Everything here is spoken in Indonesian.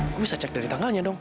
gue bisa cek dari tanggalnya dong